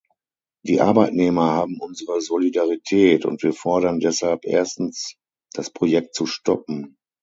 Die Arbeitnehmer haben unsere Solidarität, und wir fordern deshalb erstens, das Projekt zu stoppen.